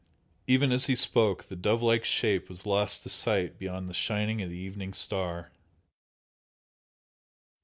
Even as he spoke the dove like shape was lost to sight beyond the shining of the evening star.